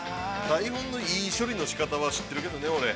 ◆台本のいい処理の仕方は知ってるけどね、俺。